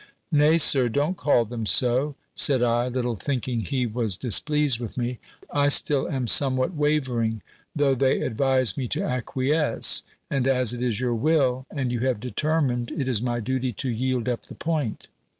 "Nay, Sir, don't call them so," said I, little thinking he was displeased with me. "I still am somewhat wavering; though they advise me to acquiesce; and, as it is your will, and you have determined, it is my duty to yield up the point."